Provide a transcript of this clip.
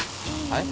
はい？